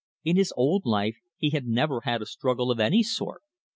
In his old life he had never had a struggle of any sort.